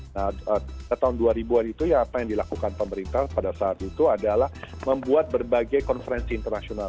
nah tahun dua ribu an itu ya apa yang dilakukan pemerintah pada saat itu adalah membuat berbagai konferensi internasional